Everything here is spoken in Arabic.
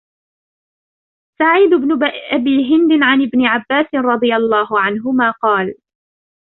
سَعِيدُ بْنُ أَبِي هِنْدٍ عَنْ ابْنِ عَبَّاسٍ رَضِيَ اللَّهُ عَنْهُمَا قَالَ